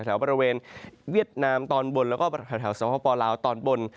แถวบริเวณเวียดนามตอนบนแล้วก็แถวสวพปลาวตอนบน